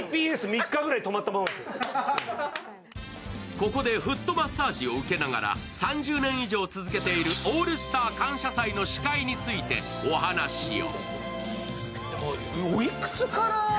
ここでフットマッサージを受けながら、３０年以上続けている「オールスター感謝祭」の司会についてお話を。